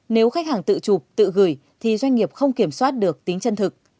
nếu khách hàng tự chụp tự gửi thì doanh nghiệp không kiểm soát được tính chân thực